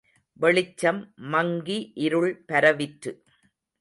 வெளிச்சம் மங்கி இருள் பரவிற்று.